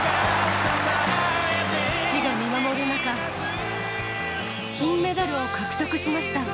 父が見守る中、金メダルを獲得しました。